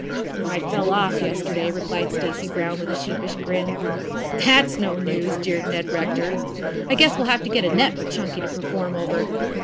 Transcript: "I fell off yesterday," replied Stacy Brown with a sheepish grin. "That's no news," jeered Ned Rector. "I guess we'll have to get a net for Chunky to perform over.